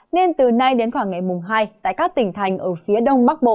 nên từ nay đến khoảng ngày mùng hai tại các tỉnh thành ở phía đông bắc bộ